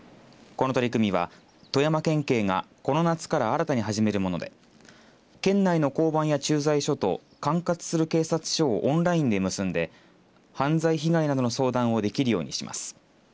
この取り組みは富山県警がこの夏から新たに始めるもので県内の交番や駐在所と管轄する警察署をオンラインで結んで犯罪被害などの相談をできるようにします。